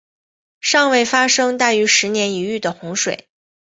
尚未发生大于十年一遇的洪水。